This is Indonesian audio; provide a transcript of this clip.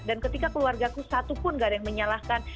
dan ketika keluarga aku satu pun gak ada yang menyalahkan